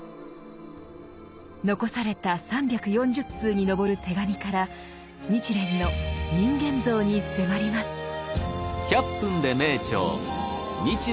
残された３４０通に上る手紙から日蓮の人間像に迫ります。